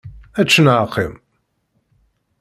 Ečč neɣ qqim!